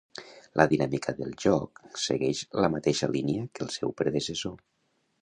La dinàmica del joc seguix la mateixa línia que el seu predecessor.